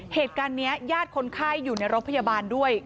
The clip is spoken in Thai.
เหตุการณ์นี้ญาติคนไข้อยู่ในรถพยาบาลด้วย